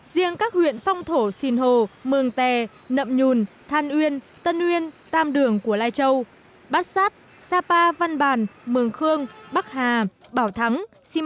riêng các huyện phong thổ xìn hồ mường tè nậm nhùn than uyên tân uyên tam đường của lai châu bát sát sapa văn bàn mường khương bắc hà bảo thắng